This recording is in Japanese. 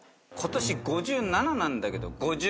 ことし５７なんだけど。